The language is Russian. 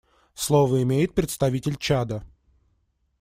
Слово имеет представитель Чада.